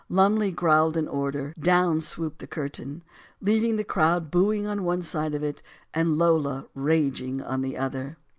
Lumley growled an order. Down swooped the curtain, leav ing the crowd booing on one side of it, and Lola raging on the other.